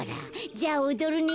じゃあおどるね。